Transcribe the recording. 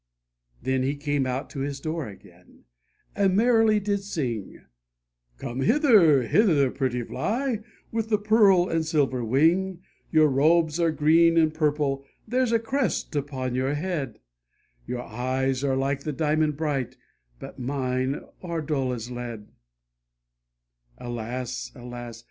9* THE PET LAMB Then he came out to his door again, and merrily did sing, " Gome hither, hither, pretty Fly, with the pearl and silver wing; Your robes are green and purple, there's a crest upon your head ; Your eyes are like the diamond bright, but mine are dull as lead I " Alas, alas